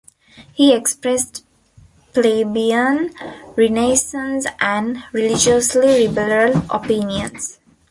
He expressed plebeian, Renaissance and religiously liberal opinions.